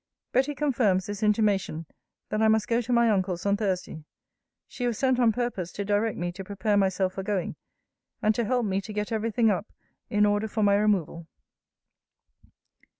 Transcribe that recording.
Betty confirms this intimation, that I must go to my uncle's on Thursday. She was sent on purpose to direct me to prepare myself for going, and to help me to get every thing up in order for my removal.